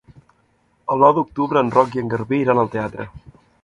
El nou d'octubre en Roc i en Garbí iran al teatre.